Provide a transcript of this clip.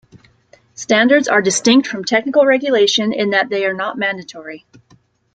Standards are distinct from technical regulation in that they are not mandatory.